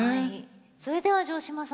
それでは城島様